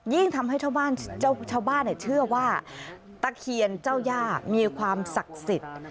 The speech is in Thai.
ทำให้ชาวบ้านเชื่อว่าตะเคียนเจ้าย่ามีความศักดิ์สิทธิ์